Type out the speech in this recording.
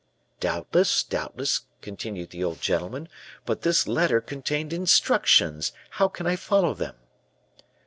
"'Doubtless, doubtless,' continued the old gentleman; 'but this letter contained instructions how can I follow them?